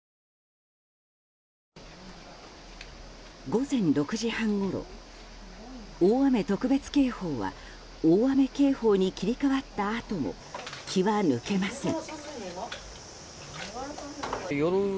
午前６時半ごろ大雨特別警報が大雨警報に切り替わったあとも気は抜けません。